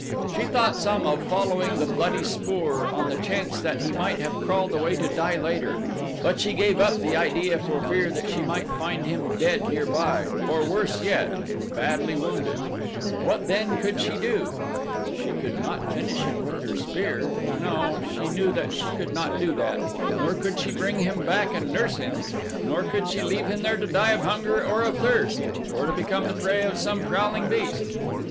She thought some of following the bloody spoor on the chance that he might have crawled away to die later, but she gave up the idea for fear that she might find him dead nearby, or, worse yet badly wounded. What then could she do? She could not finish him with her spear no, she knew that she could not do that, nor could she bring him back and nurse him, nor could she leave him there to die of hunger or of thirst, or to become the prey of some prowling beast.